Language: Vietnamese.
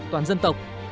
toàn dân tộc